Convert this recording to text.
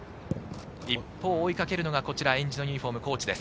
一方、追いかけるのがえんじのユニホーム、高知です。